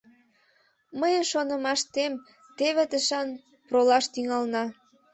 Мыйын шонымаштем, теве тышан пролаш тӱҥалына.